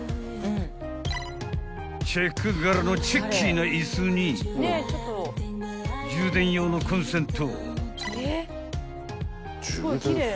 ［チェック柄のチェッキーな椅子に充電用のコンセント］